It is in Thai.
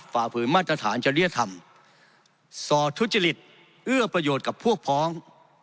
ฝ่าฝืนมาตรฐานจริยธรรมสอดทุจริตเอื้อประโยชน์กับพวกพ้อง